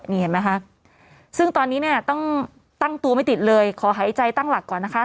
นี่เห็นไหมคะซึ่งตอนนี้เนี่ยต้องตั้งตัวไม่ติดเลยขอหายใจตั้งหลักก่อนนะคะ